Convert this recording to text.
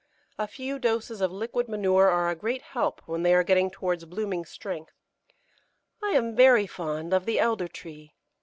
A few doses of liquid manure are a great help when they are getting towards blooming strength. I am very fond of the Elder tree.